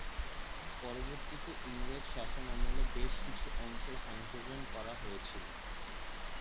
পরবর্তিতে ইংরেজ শাসনামলে বেশ কিছু অংশ সংযোজন করা হয়েছিল।